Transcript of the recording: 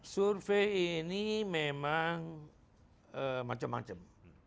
survei ini memang macam macam